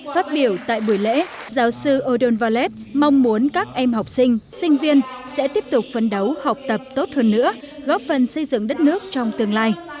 phát biểu tại buổi lễ giáo sư odon valet mong muốn các em học sinh sinh viên sẽ tiếp tục phấn đấu học tập tốt hơn nữa góp phần xây dựng đất nước trong tương lai